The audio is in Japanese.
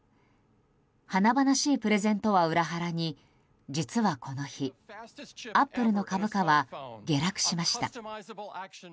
華々しいプレゼンとは裏腹に実はこの日アップルの株価は下落しました。